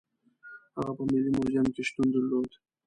هغه په ملي موزیم کې شتون درلود.